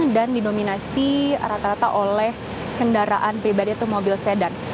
dan didominasi rata rata oleh kendaraan pribadi atau mobil sedan